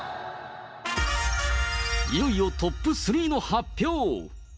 いよいよトップ３の発表。